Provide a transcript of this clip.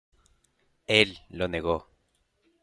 Él lo negó.